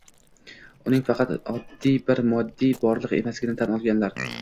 uning faqat oddiy bir moddiy borliq emasligini tan olganlar